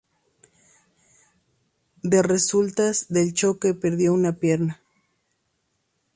De resultas del choque perdió una pierna.